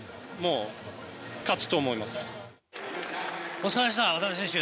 お疲れさまでした渡邊選手。